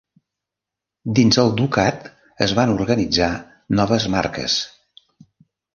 Dins el ducat es van organitzar noves marques: